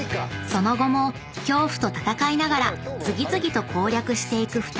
［その後も恐怖と闘いながら次々と攻略していく２人］